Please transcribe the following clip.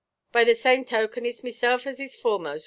By the same token, itʼs meself as is foremost.